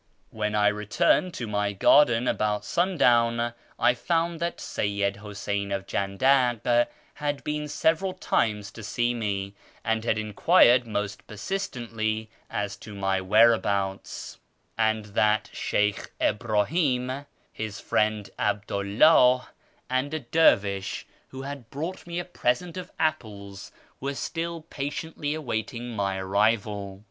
When I returned to my garden about sundown I found that Seyyid Huseyn of Jandak had been several times to see me, and had enquired most persistently as to my whereabouts ; and that Sheykh Ibrahim, his friend 'Abdu 'Ik'ih, and a dervish who had brought me a present of apples, were still patiently awaiting my arrival.